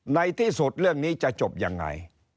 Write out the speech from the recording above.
ในที่สุดเรื่องนี้จะจบยังไง